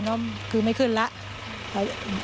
ก็จะตึงราคาไปเรื่อย